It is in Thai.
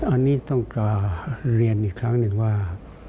อันนี้ต้องกล่าวเรียนอีกครั้งหนึ่งว่า